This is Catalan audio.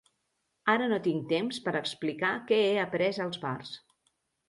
Ara no tinc temps per explicar què he après als bars.